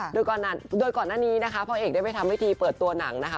โดยก่อนหน้านี้นะคะพ่อเอกได้ไปทำพิธีเปิดตัวหนังนะคะ